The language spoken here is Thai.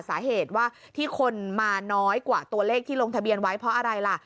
สาเหตุว่าที่คนมาน้อยกว่าตัวเลขที่ลงทะเบียนไว้เพราะอะไรล่ะ